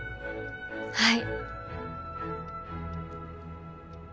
はい。